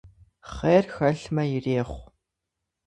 Хъер хэлъмэ, ирехъу.